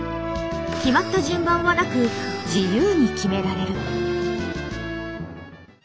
決まった順番はなく自由に決められる。